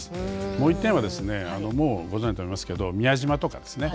もう一点はですねもうご存じだと思いますけど宮島とかですね